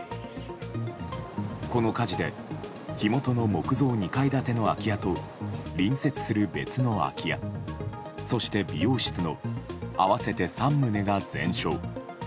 この火事で火元の木造２階建ての空き家と隣接する別の空き家そして美容室の合わせて３棟が全焼。